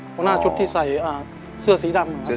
หัวหน้าชุดที่ใส่เสื้อสีดำ